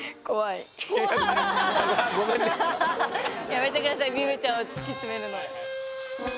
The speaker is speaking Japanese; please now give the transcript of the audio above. やめてくださいミムちゃんを突き詰めるのは。